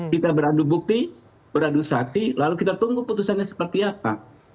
kita beradu bukti beradu saksi lalu kita tunggu putusannya seperti apa